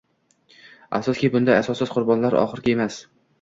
Afsuski, bunday asossiz qurbonlar oxirgi emas